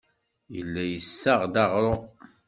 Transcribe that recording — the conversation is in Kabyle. Yella yessaɣ-d aɣrum.